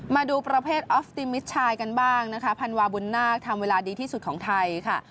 มาดูประเภทออฟติมิชชายกันบ้างนะคะพันวาบุญนาคทำเวลาดีที่สุดของไทยค่ะ